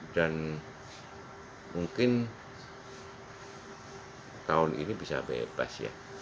dan mungkin tahun ini bisa bebas ya